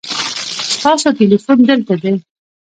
ستاسو تلیفون دلته دی